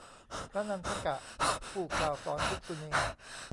พระนันทกะ ผู้กล่าวสอนภิกษุณี